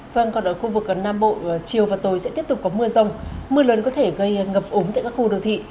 vâng còn ở khu vực nam bộ chiều và tối sẽ tiếp tục có mưa rông mưa lớn có thể gây ngập ống tại các khu đô thị